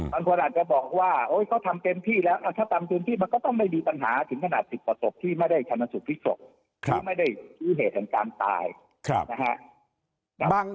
บางคนอาจจะบอกว่าเขาทำเต็มที่แล้วถ้าทำเต็มที่มันก็ต้องไม่มีปัญหาถึงขนาด๑๐ประสบที่ไม่ได้ทำมาสุขพิศพรที่ไม่ได้มีเหตุการณ์ตาย